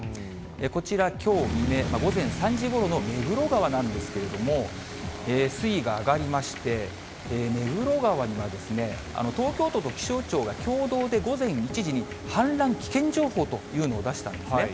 こちら、きょう未明、午前３時ごろの目黒川なんですけれども、水位が上がりまして、目黒川には東京都と気象庁が共同で午前１時に氾濫危険情報というのを出したんですね。